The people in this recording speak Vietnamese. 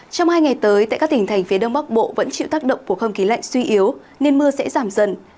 trong hai ngày tới tại các tỉnh thành phía đông bắc bộ vẫn chịu tác động của không khí lạnh suy yếu nên mưa sẽ giảm dần